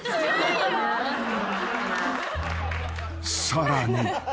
［さらに］